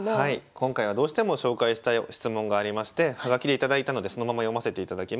今回はどうしても紹介したい質問がありまして葉書で頂いたのでそのまま読ませていただきます。